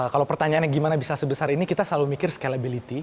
kalau pertanyaannya gimana bisa sebesar ini kita selalu mikir scalability